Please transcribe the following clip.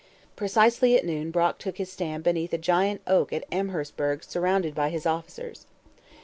Precisely at noon Brock took his stand beneath a giant oak at Amherstburg surrounded by his officers.